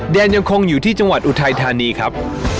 ยังคงอยู่ที่จังหวัดอุทัยธานีครับ